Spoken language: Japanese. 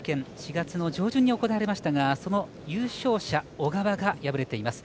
４月上旬に行われましたがその優勝者、小川が敗れています。